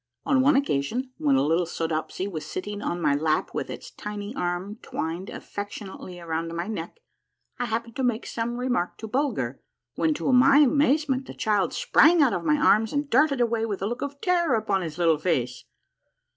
On one occasion, when a little Soodopsy was sitting on my lap with its tiny arm twined affectionately around my neck, I happened to make some remark to Bulger, when, to my amaze ment, the child sprang out of my arms and darted away with a look of terror upon his little face.